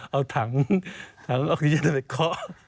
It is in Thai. เอาถังเอาขี้เย็นไปเคาะ